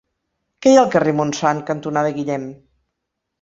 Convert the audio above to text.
Què hi ha al carrer Montsant cantonada Guillem?